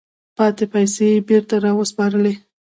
پاتې پیسې یې بیرته را وسپارلې.